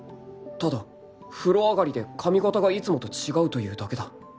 ただ風呂上がりで髪形がいつもと違うというだけだ